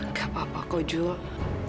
gak apa apa kok jul